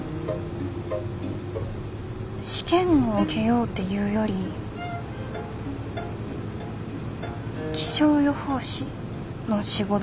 試験を受けようっていうより気象予報士の仕事に興味があって。